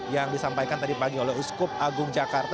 yang disampaikan tadi pagi oleh uskup agung jakarta